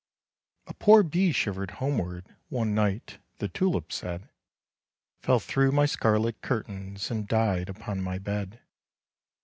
"A poor bee shivered homeward One night," the Tulip said, "Fell through my scarlet curtains, And died upon my bed."